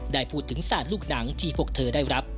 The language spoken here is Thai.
ได้พูดถึงศาสตร์ลูกหนังที่พวกเธอได้รับ